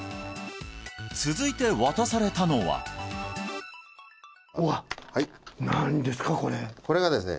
続いて渡されたのはうわっはいこれがですね